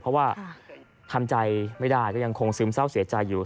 เพราะว่าทำใจไม่ได้ก็ยังคงซึมเศร้าเสียใจอยู่